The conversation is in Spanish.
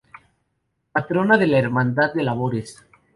Patrona de la Hermandad de Labradores.